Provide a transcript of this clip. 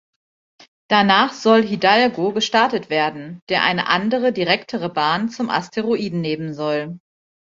Danach soll Hidalgo gestartet werden, der eine andere, direktere Bahn zum Asteroiden nehmen soll.